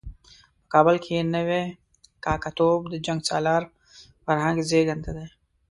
په کابل کې نوی کاکه توب د جنګ سالار فرهنګ زېږنده دی.